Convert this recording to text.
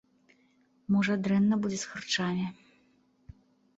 Можа, дрэнна будзе з харчамі.